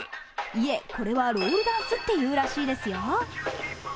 いえ、これはロールダンスっていうらしいですよ。